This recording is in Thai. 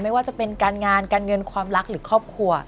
ไม่ว่าจะเป็นการงานการเงินความรักหรือครอบครัว